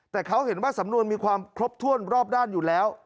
แต่เขาเห็นว่าสำนวนมีความครบถ้วนรอบด้านอยู่แล้ว